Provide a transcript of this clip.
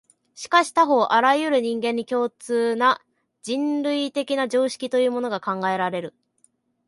しかし他方、あらゆる人間に共通な、人類的な常識というものが考えられる。